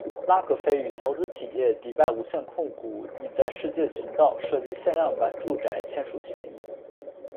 拉格斐与投资企业迪拜无限控股以在世界群岛设计限量版住宅签署协议。